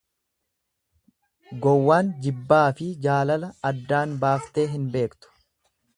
Gowwaan jibbaafi jaalala addaan baaftee hin beektu.